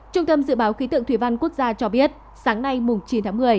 trung tâm dự báo khí tượng thủy văn quốc gia cho biết sáng nay chín tháng một mươi